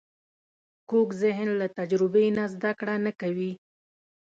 کوږ ذهن له تجربې نه زده کړه نه کوي